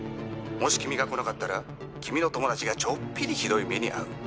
「もし君が来なかったら君の友達がちょっぴりひどい目に遭う」